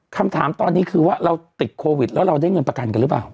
คำถามตอนนี้คือว่าเราติดโควิดแล้วเราได้เงินประกันกันหรือเปล่า